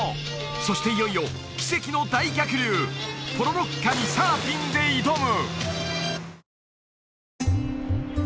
そしていよいよ奇跡の大逆流ポロロッカにサーフィンで挑む！